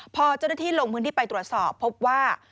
พอเจ้าหน้าที่ลงพื้นที่ไปตรวจสอบพบว่า